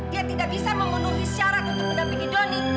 dia tidak bisa mengenuhi syarat untuk mendampingi donny